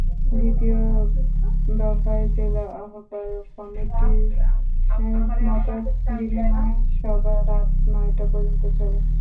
দ্বিতীয় দফায় জেলা আহ্বায়ক কমিটির মতবিনিময় সভা রাত নয়টা পর্যন্ত চলে।